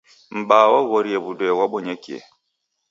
M'baa waghorie w'udoi ghwabonyekie.